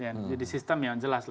jadi sistem yang jelas